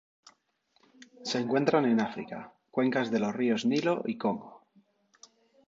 Se encuentran en África: cuencas de los ríos Nilo y Congo.